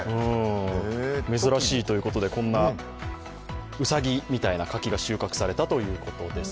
珍しいということで、うさぎみたいな柿が収穫されたということです。